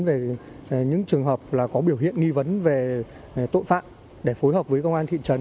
về những trường hợp có biểu hiện nghi vấn về tội phạm để phối hợp với công an thị trấn